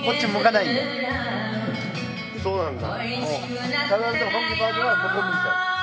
そうなんだ。